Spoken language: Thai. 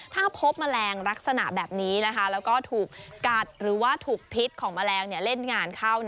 ถ้าพบแมลงลักษณะแบบนี้แล้วก็ถูกกัดหรือว่าถูกพิษของแมลงเล่นงานเข้า